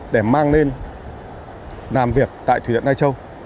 để mang lên làm việc tại thủy điện lai châu